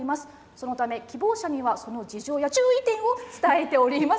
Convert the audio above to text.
そのため、希望者にはその事情や注意点を伝えております。